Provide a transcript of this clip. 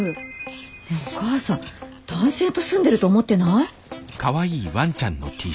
ねぇお母さん男性と住んでると思ってない？